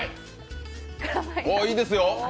いいですよ。